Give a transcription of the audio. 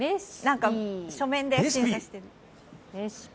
書面で審査してる